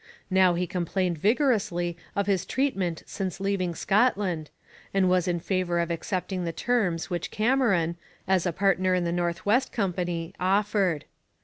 Now he complained vigorously of his treatment since leaving Scotland, and was in favour of accepting the terms which Cameron, as a partner in the North West Company, offered.